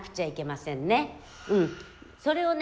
それをね